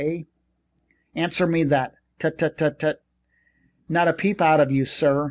Eh? Answer me that. Tut, tut, tut! Not a peep out of you, sir.